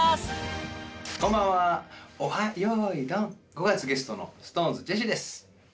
５がつゲストのＳｉｘＴＯＮＥＳジェシーです！